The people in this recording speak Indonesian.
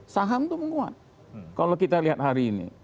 saham itu menguat kalau kita lihat hari ini